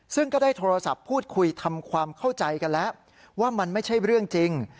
ซึ่งก็ได้โทรศัพท์พูดคุยทำความเข้าใจกันแล้วว่ามันไม่ใช่เรื่องจริง